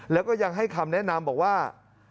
แล้วก็ยังให้คำแนะนำบอกว่า